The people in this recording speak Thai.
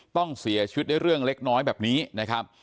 ต้องเสียชีวิตด้วยเรื่องเล็กน้อยแบบนี้นะครับ